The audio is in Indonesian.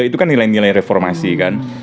itu kan nilai nilai reformasi kan